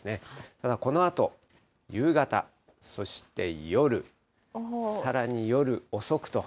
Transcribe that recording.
ただ、このあと夕方、そして夜、さらに夜遅くと。